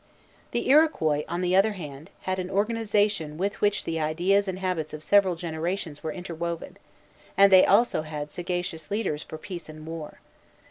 The Iroquois, on the other hand, had an organization with which the ideas and habits of several generations were interwoven, and they had also sagacious leaders for peace and war.